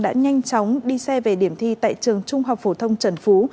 đã nhanh chóng đi xe về điểm thi tại trường trung học phổ thông trần phú